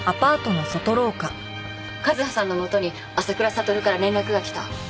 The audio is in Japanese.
和葉さんのもとに浅倉悟から連絡がきた。